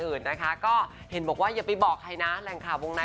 เพราะว่าปีหน้าก็จะมีแบบตอนงานเฉ้าอยู่ดี